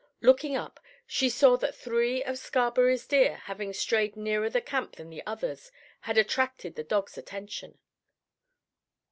Looking up, she saw that three of Scarberry's deer, having strayed nearer the camp than the others, had attracted the dog's attention.